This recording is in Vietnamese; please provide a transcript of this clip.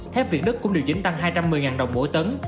thép việt đức cũng điều chỉnh tăng hai trăm một mươi đồng mỗi tấn